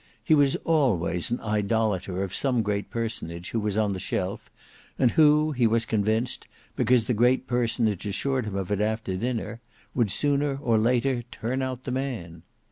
He was always an idolater of some great personage who was on the shelf, and who he was convinced, because the great personage assured him of it after dinner, would sooner or later turn out the man.